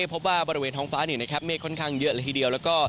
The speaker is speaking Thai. เพราะว่าบริเวณท้องฟ้าเนี่ยนะครับเมฆค่อนข้างเยอะเลยทีเดียว